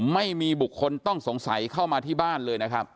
ไม่มีบุคคลต้องสงสัยเข้ามาที่บ้านเลยนะครับ